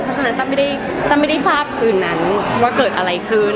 เพราะฉะนั้นตั้มไม่ได้ทราบคืนนั้นว่าเกิดอะไรขึ้น